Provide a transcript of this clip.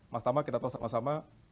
mas tama kita tahu sama sama